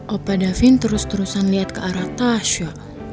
opa davin terus terusan lihat ke arah tasya